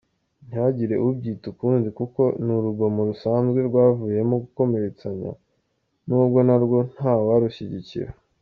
Ntihagire ubyita ukundi kuko ni urugomo rusazwe rwavuyemo gukomeretsanya, nubwo narwo ntawarushyigikira.